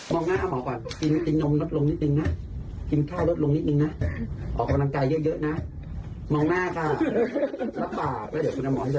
มองหน้าค่ะรับปากแล้วเดี๋ยวคุณหมอให้การติกเตอร์โอเคไหม